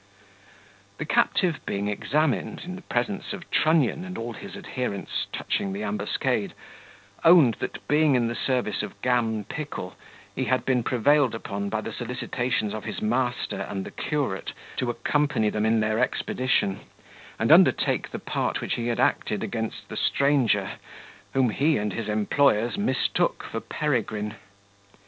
The captive being examined, in presence of Trunnion and all his adherents, touching the ambuscade, owned that being in the service of Gam Pickle, he had been prevailed upon, by the solicitations of his master and the Curate, to accompany them in their expedition, and undertake the part which he had acted against the stranger, whom he and his employers mistook for Peregrine.